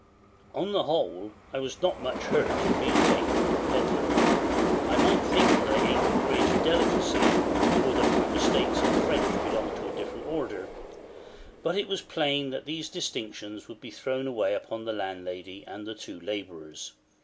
On the whole, I was not much hurt at being taken for a pedlar. I might think that I ate with greater delicacy, or that my mistakes in French belonged to a different order; but it was plain that these distinctions would be thrown away upon the landlady and the two labourers.